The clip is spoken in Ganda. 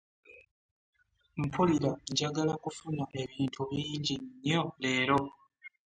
Mpulira njagala kufuna ebintu bingi nnyo leero.